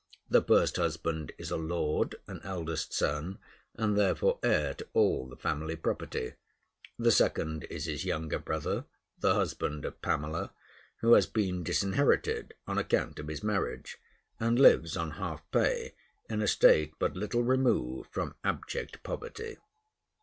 The first husband is a lord, an eldest son, and therefore heir to all the family property; the second is his younger brother, the husband of Pamela, who has been disinherited on account of his marriage, and lives on half pay in a state but little removed from abject poverty.